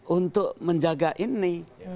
untuk menjaga ini